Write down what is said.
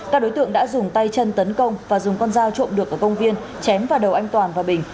các đối tượng đã dùng tay chân tấn công và dùng con dao trộm được ở công viên chém vào đầu anh toàn và bình